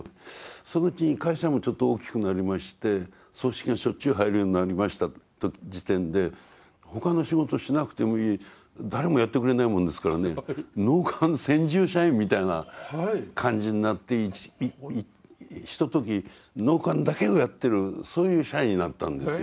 そのうちに会社もちょっと大きくなりまして葬式がしょっちゅう入るようになりました時点で他の仕事しなくてもいい誰もやってくれないもんですからね納棺専従社員みたいな感じになってひととき納棺だけをやってるそういう社員になったんですよ